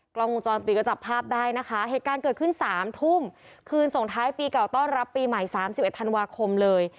กล้องวงจรปิดก็จับภาพได้นะคะเหตุการณ์เกิดขึ้น๓ทุ่มคืนส่งท้ายปีเก่าต้อนรับปีใหม่๓๑ธันวาคมเลย